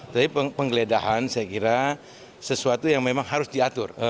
jadi penggeledahan saya kira sesuatu yang memang harus diatur